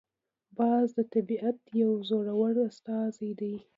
باز د طبیعت یو زړور استازی دی